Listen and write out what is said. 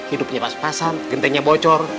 hidupnya pas pasan gentengnya bocor